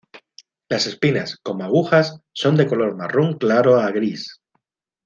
Las espinas, como agujas, son de color marrón claro a gris.